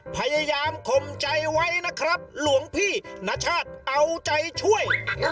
พยายามคมใจไว้นะครับหลวงพี่ณชาติเอาใจช่วย